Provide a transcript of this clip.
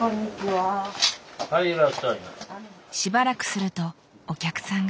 しばらくするとお客さんが。